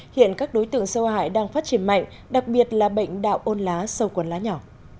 hiện các đối tượng sâu hại đang phát triển mạnh đặc biệt là bệnh đạo ôn lá sâu cuốn lá nhỏ